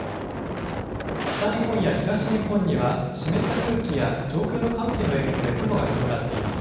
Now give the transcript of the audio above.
北日本や東日本には湿った空気や上空の寒気の影響で雲が広がっています。